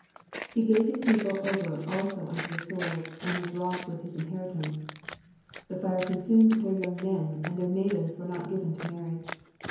\ 62 He gave his people over also unto the sword ; and was wroth with his inheritance. 63 The fire consumed their young men ; and their maidens were not given to marriage.